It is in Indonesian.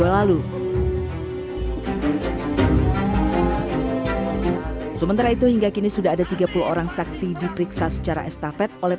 lalu sementara itu hingga kini sudah ada tiga puluh orang saksi diperiksa secara estafet oleh